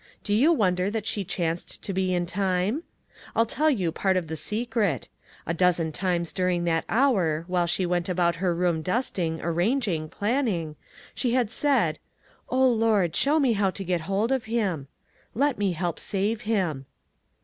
Do you wonder that she chanced to be in time? I'll tell you part of the secret: A dozen times during that hour, while she went about her room dusting, arranging, planning, she had said : "O Lord, show me how to get hold of him ! Let me help save him."